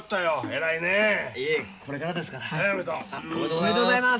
おめでとうございます。